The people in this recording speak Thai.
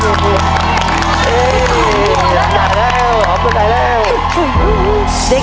หล่อคนใหญ่แล้ว